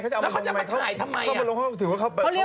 แล้วเขาจะมาถ่ายทำไม